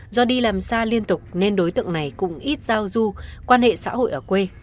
do đi làm xa liên tục nên đối tượng này cũng ít giao du quan hệ xã hội ở quê